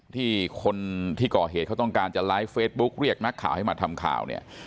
ที่คนที่ก่อเหตุเขาต้องการจะไลฟ์เฟซบุ๊กเรียกนักข่าวให้มาทำข่าวเนี่ย